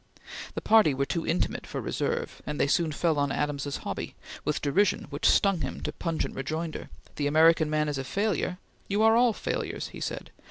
The party were too intimate for reserve, and they soon fell on Adams's hobby with derision which stung him to pungent rejoinder: "The American man is a failure! You are all failures!" he said.